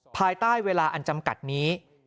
ภายใต้เวลาอันจำกัดนี้